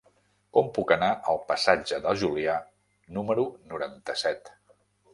Com puc anar al passatge de Julià número noranta-set?